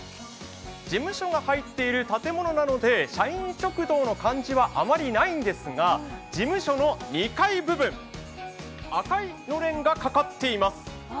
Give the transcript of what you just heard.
事務所が入っている建物なので、社員食堂の感じはあまりないんですが事務所の２階部分、赤いのれんがかかっています。